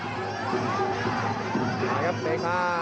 มาครับเมค่า